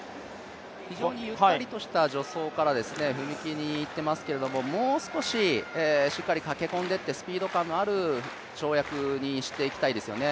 非常にゆったりとした助走から踏切にいってますけどもう少ししっかり駆け込んでいって、スピード感のある跳躍にしてもらいたいですよね。